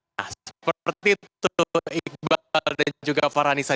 nah seperti itu iqbal dan juga farhanisa